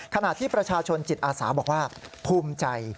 ขณะที่ประชาชนจิตอาสาบอกว่าภูมิใจ